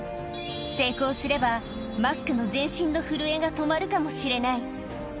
成功すれば、マックの全身の震えが止まるかもしれない。